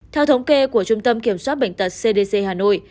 theo thống kê của trung tâm kiểm soát bệnh tật cdc hà nội